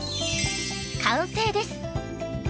完成です。